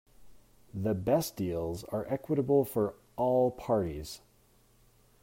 The best deals are equitable for all parties.